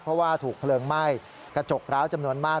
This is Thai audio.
เพราะว่าถูกเพลิงไหม้กระจกร้าวจำนวนมาก